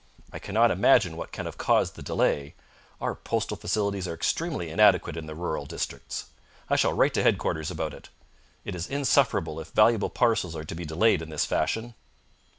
I cannot imagine what can have caused the delay. Our postal facilities are extremely inadequate in the rural districts. I shall write to headquarters about it. It is insufferable if valuable parcels are to be delayed in this fashion."